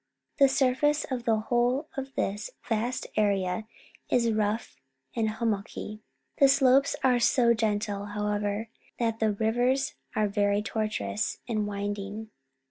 The surface of the whole THE DOMINION OF CANADA of this vast area is rough and hummocky. The slopes are so gentle, however, that the rivers are very tortuous and winding.